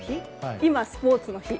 今、スポーツの日。